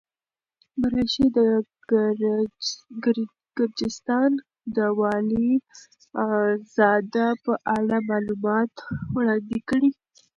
مرعشي د ګرجستان د والي زاده په اړه معلومات وړاندې کړي.